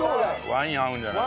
ワイン合うんじゃない？